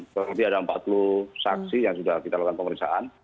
berarti ada empat puluh saksi yang sudah kita lakukan pemeriksaan